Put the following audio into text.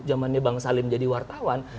zamannya bang salim jadi wartawan